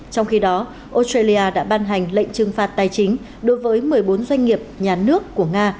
trong khi đó australia đã ban hành lệnh trừng phạt tài chính đối với một mươi bốn doanh nghiệp nhà nước của nga